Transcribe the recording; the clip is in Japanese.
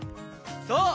そう！